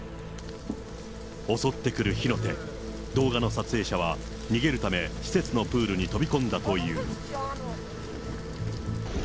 襲ってくる火の手、動画の撮影者は逃げるため、施設のプールに飛び込んだという。